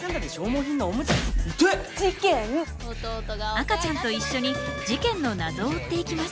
赤ちゃんと一緒に事件の謎を追っていきます。